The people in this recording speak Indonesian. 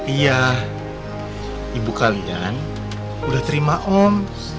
iya ibu kalian udah terima om